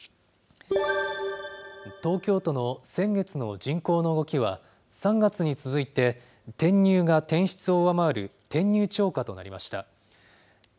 東京都の先月の人口の動きは、３月に続いて、転入が転出を上回る転入超過となりました。